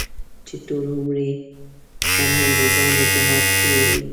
چې ټول عمر یې پر انګریزانو جهاد کړی وي.